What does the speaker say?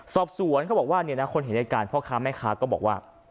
เขาบอกว่าเนี่ยนะคนเห็นในการพ่อค้าแม่ค้าก็บอกว่า